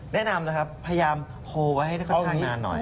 แนะนำนะครับพยายามโพลไว้ให้ค่อนข้างนานหน่อย